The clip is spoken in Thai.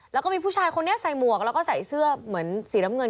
แล้วก็มีผู้ชายคนนี้ใส่หมวกแล้วก็ใส่เสื้อเหมือนสีน้ำเงิน